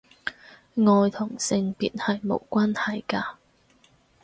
愛同性別係無關係㗎